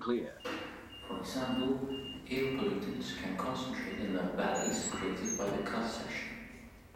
For example, air pollutants can concentrate in the 'valleys' created by the cut section.